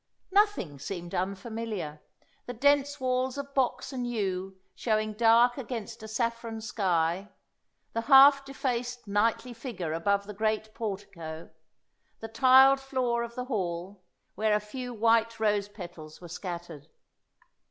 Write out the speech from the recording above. Nothing seemed unfamiliar; the dense walls of box and yew showing dark against a saffron sky, the half defaced knightly figure above the great portico, the tiled floor of the hall, where a few white rose petals were scattered.